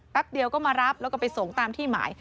เดียวก็มารับแล้วก็ไปส่งตามที่หมาย